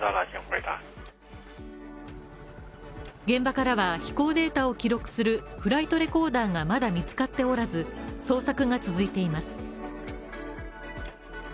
現場からは飛行データを記録するフライトレコーダーがまだ見つかっておらず、捜索が続いています。